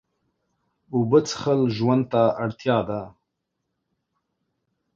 اوبه څښل ژوند ته اړتیا ده